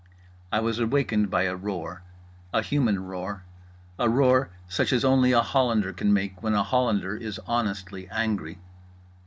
I was awakened by a roar, a human roar, a roar such as only a Hollander can make when a Hollander is honestly angry.